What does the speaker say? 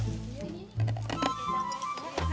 terima kasih ya